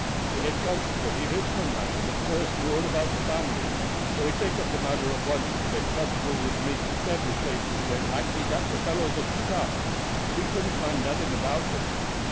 De head constable he Richmond man, and ob course knew all about de family; so he take de matter up at once and send constable wid me to seberal places where it likely dat the fellows had put up, but we couldn't find nuffin about dem.